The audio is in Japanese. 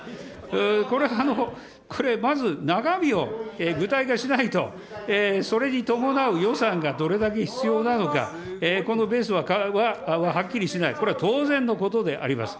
これ、これまず中身を具体化しないと、それに伴う予算がどれだけ必要なのか、このベースははっきりしない、これは当然のことであります。